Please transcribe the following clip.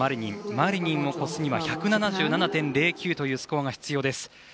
マリニンを超すには１７７．０９というスコアが必要です。